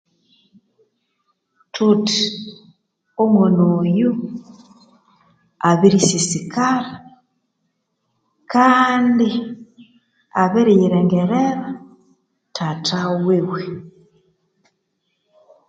Thuthi omwana oyu abiri sisikara kaandi abiri yirengerera thatha wiwe